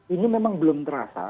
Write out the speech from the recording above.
ini memang belum terasa